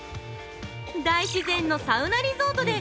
大自然のサウナリゾートで、